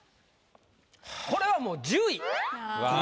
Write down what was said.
これはもう１０位。